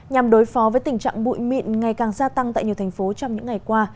nhằm đối phó với tình trạng bụi mịn ngày càng gia tăng tại nhiều thành phố trong những ngày qua